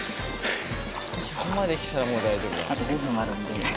ここまで来たらもう大丈夫だな。